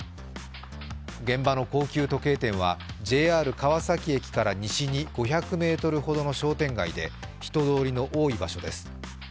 現場の高級時計店はＪＲ川崎駅から西に５００ｍほどの商店街で人通りの多い場所です。